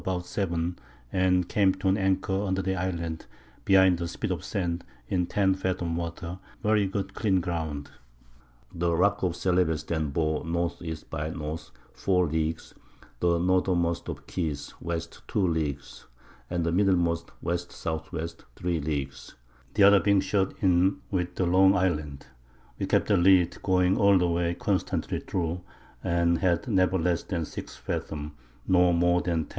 about 7, and came to an Anchor under the Island, behind the Spit of Sand, in 10 Fathom Water, very good clean Ground. The Rock of Celebes then bore N. E. by N. 4 Leagues; the Northermost of the Keys, W. 2 Leagues; and the middlemost W. S. W. 3 Leagues: The other being shut in with the long Island. We kept the Lead going all the way constantly through, and had never less than 6 Fathom, nor more than 10.